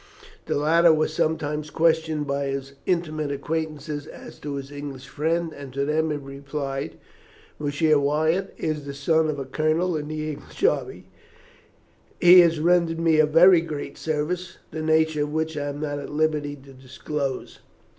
The latter was sometimes questioned by his intimate acquaintances as to his English friend, and to them he replied, "Monsieur Wyatt is the son of a colonel in the English army. He has rendered me a very great service, the nature of which I am not at liberty to disclose.